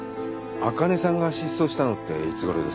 あかねさんが失踪したのっていつごろですか？